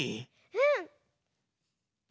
うん。